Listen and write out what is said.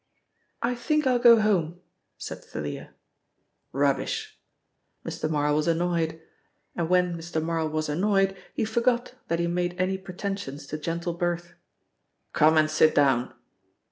"I think I'll go home," said Thalia. "Rubbish!" Mr. Marl was annoyed, and when Mr. Marl was annoyed he forgot that he made any pretensions to gentle birth. "Come and sit down."